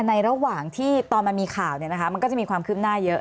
ระหว่างที่ตอนมันมีข่าวมันก็จะมีความคืบหน้าเยอะ